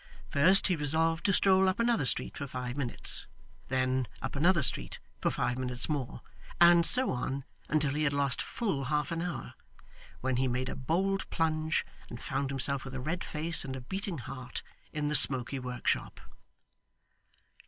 First, he resolved to stroll up another street for five minutes, then up another street for five minutes more, and so on until he had lost full half an hour, when he made a bold plunge and found himself with a red face and a beating heart in the smoky workshop.